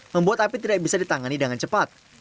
membuat api tidak bisa ditangani dengan cepat